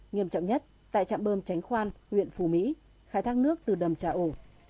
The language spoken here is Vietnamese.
nghiêm trọng nhất tại trạm bơm tránh khoan huyện phù mỹ khai thác nước từ đầm trà ổ